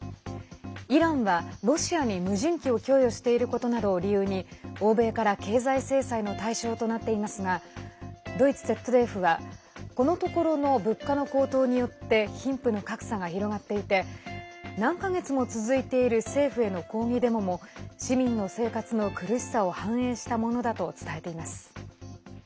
イランはロシアに無人機を供与していることなどを理由に欧米から経済制裁の対象となっていますがドイツＺＤＦはこのところの物価の高騰によって貧富の格差が広がっていて何か月も続いている政府への抗議デモも市民の生活の苦しさを反映したものだと伝えています。